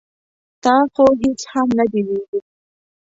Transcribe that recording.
ـ تا خو هېڅ هم نه دي ویلي.